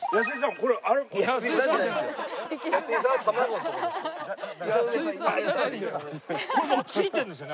これもうついてるんですよね？